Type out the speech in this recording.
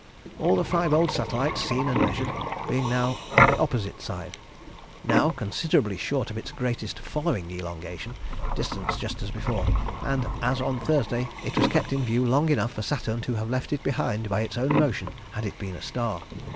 All the five old satellites seen and measured, being now on the opposite side. Now considerably short of its greatest following elongation; distance just as before; and, as on Thursday, it was kept in view long enough for Saturn to have left it behind by its own motion had it been a star.